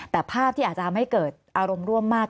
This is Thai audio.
แต่ภาพที่อาจะไม่เกิดอารมณ์มาก